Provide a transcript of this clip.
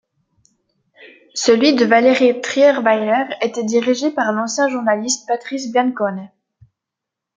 Celui de Valérie Trierweiler était dirigé par l'ancien journaliste Patrice Biancone.